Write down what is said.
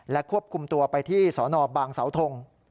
ควบคุมตัวไปที่สนบางเสาทง